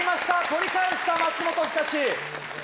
取り返した松本深志！